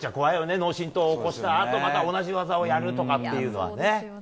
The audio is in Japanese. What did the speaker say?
脳しんとう起こしたあとまた同じ技やるとかって。